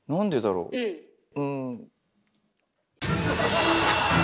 うん。